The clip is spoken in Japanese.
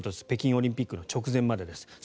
北京オリンピックの直前までです。